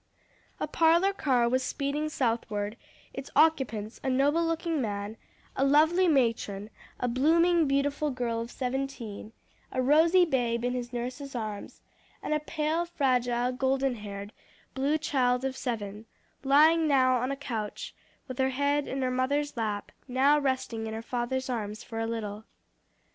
A parlor car was speeding southward; its occupants, a noble looking man, a lovely matron, a blooming, beautiful girl of seventeen, a rosy babe in his nurse's arms, and a pale, fragile, golden haired, blue eyed child of seven, lying now on a couch with her head in her mother's lap, now resting in her father's arms for a little.